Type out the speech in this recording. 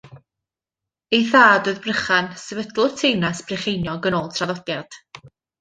Ei thad oedd Brychan, sefydlwr teyrnas Brycheiniog yn ôl traddodiad.